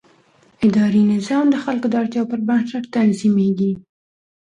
اداري نظام د خلکو د اړتیاوو پر بنسټ تنظیمېږي.